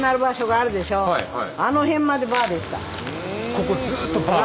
ここずっとバー？